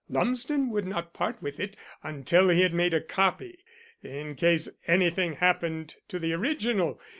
Lumsden would not part with it until he had made a copy, in case anything happened to the original.